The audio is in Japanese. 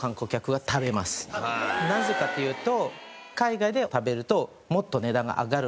なぜかっていうと。